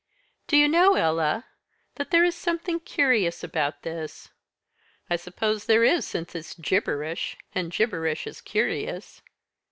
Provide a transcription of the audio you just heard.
"Do you know, Ella, that there is something curious about this." "I suppose there is, since it's gibberish; and gibberish is curious."